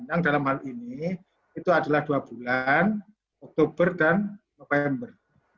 yang dalam hal ini itu adalah dua bulan oktober dan november